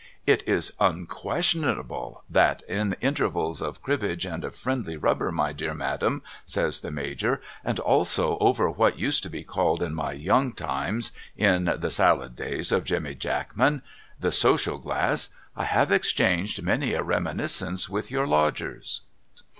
' It is unquestionable that in intervals of cribbage and a friendly rubber, my dear Madam,' says the Major, ' and also over what used to be called in my young times — in the salad days of Jemmy Jackman — the social glass, I have exchanged many a reminiscence with your Lodgers.'